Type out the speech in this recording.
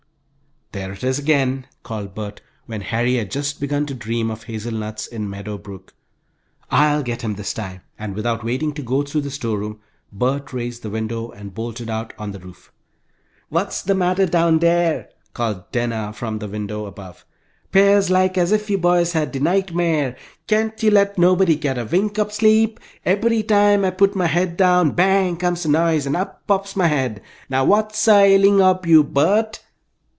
"There it is again," called Bert, when Harry had just begun to dream of hazelnuts in Meadow Brook. "I'll get him this time!" and without waiting to go through the storeroom, Bert raised the window and bolted out on the roof. "What's de matter down dere?" called Dinah from the window above. "'Pears like as if you boys had de nightmare. Can't you let nobody get a wink ob sleep? Ebbery time I puts my head down, bang! comes a noise and up pops my head. Now, what's a ailin' ob you, Bert?"